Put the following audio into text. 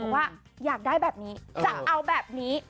ว่าอยากได้แบบนี้จะเอาแบบนี้